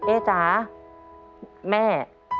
เอ๊ะจ๊ะแม่